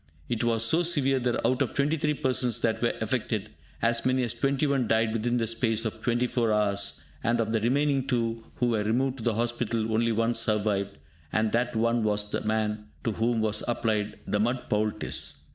It was so severe that, out of 23 persons that were affected, as many as 21 died within the space of 24 hours; and of the remaining two, who were removed to the hospital, only one survived, and that one was the man to whom was applied the mud poultice.